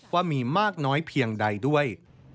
ว่ามีมากน้อยเพียงใดด้วย